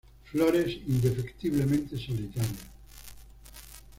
Flores indefectiblemente solitarias.